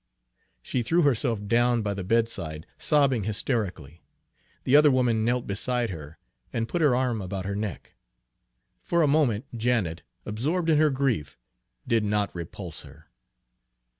She threw herself down by the bedside, sobbing hysterically. The other woman knelt beside her, and put her arm about her neck. For a moment Janet, absorbed in her grief, did not repulse her.